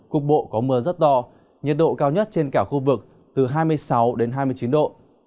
cục bộ có mưa rất to nhiệt độ cao nhất trên cả khu vực từ hai mươi sáu đến hai mươi chín độ